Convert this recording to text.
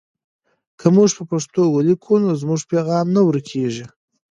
که موږ په پښتو ولیکو نو زموږ پیغام نه ورکېږي.